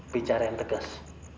bicara yang tegas